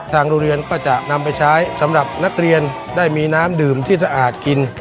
โรงเรียนก็จะนำไปใช้สำหรับนักเรียนได้มีน้ำดื่มที่สะอาดกิน